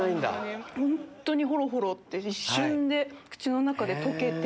本当にほろほろって一瞬で口の中で溶けて。